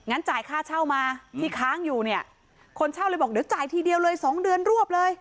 จ่ายค่าเช่ามาที่ค้างอยู่เนี่ยคนเช่าเลยบอกเดี๋ยวจ่ายทีเดียวเลยสองเดือนรวบเลย